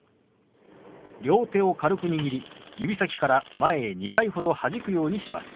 両手を軽く握り指先から前へ２回ほどはじくようにします。